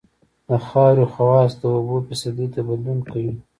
د خاورې خواص د اوبو فیصدي ته بدلون کوي